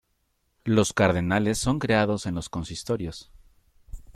Los cardenales son creados en los consistorios.